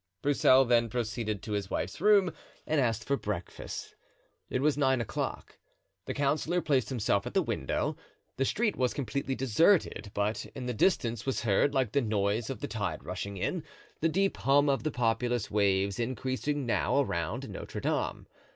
Broussel then proceeded to his wife's room and asked for breakfast; it was nine o'clock. The councillor placed himself at the window; the street was completely deserted, but in the distance was heard, like the noise of the tide rushing in, the deep hum of the populous waves increasing now around Notre Dame.